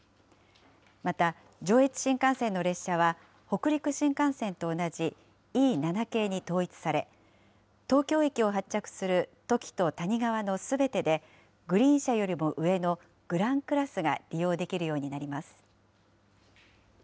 また、上越新幹線の列車は北陸新幹線と同じ、Ｅ７系に統一され、東京駅を発着するときとたにがわのすべてでグリーン車よりも上の、グランクラスが利用できるようになります。